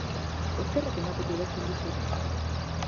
Eskerrak emateko idazten dut.